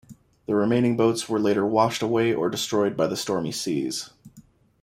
The remaining boats were later washed away or destroyed by the stormy seas.